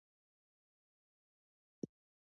قومونه د افغانانو لپاره په معنوي لحاظ ارزښت لري.